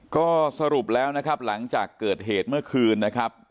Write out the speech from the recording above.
ก็สรุปแล้วนะครับหลังจากเกิดเหตุเมื่อคืนนะครับ